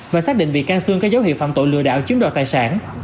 và xác định bị can xương có dấu hiệu phạm tội lừa đạo chiếm đoạt tài sản